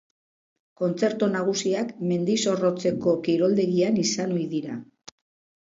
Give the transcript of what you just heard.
Kontzertu nagusiak Mendizorrotzeko kiroldegian izan ohi dira.